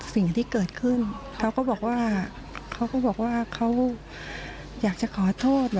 สิ่งที่เกิดขึ้นเขาก็บอกว่าเขาอยากจะขอโทษ